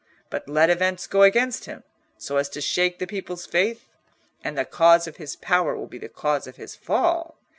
But let events go against him, so as to shake the people's faith, and the cause of his power will be the cause of his fall.